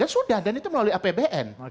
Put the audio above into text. sudah dan itu melalui apbn